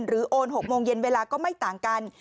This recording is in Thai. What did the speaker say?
โอน๖โมงเย็นเวลาก็ไม่ต่างกัน